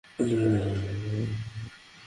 শকুনি ও তাহার অনুচরবর্গ কপট পাশা প্রস্তুত করিয়াছিল।